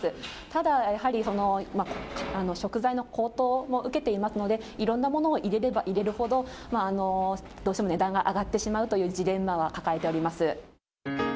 ただ、やはり食材の高騰も受けていますので、いろんなものを入れれば入れるほど、どうしても値段が上がってしまうというジレンマは抱えております。